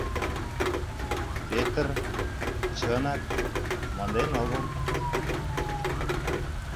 Пӧтыр, чынак, монден огыл.